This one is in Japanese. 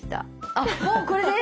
あっもうこれで⁉